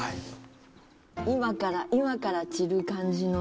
今から、今から散る感じの。